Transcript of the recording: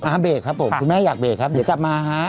เบรกครับผมคุณแม่อยากเบรกครับเดี๋ยวกลับมาฮะ